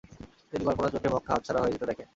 তিনি কল্পনার চোখে মক্কা হাতছাড়া হয়ে যেতে দেখেন।